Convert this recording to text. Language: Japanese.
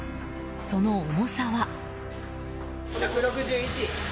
その重さは。